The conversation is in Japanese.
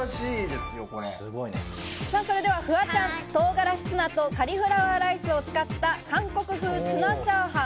それではフワちゃん、唐辛子ツナとカリフラワーライスを使った韓国風ツナチャーハン。